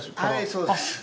はいそうです。